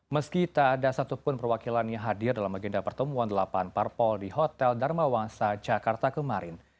meski tak ada satupun perwakilannya hadir dalam agenda pertemuan delapan parpol di hotel dharma wangsa jakarta kemarin